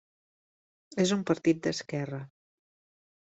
És un partit d'esquerra.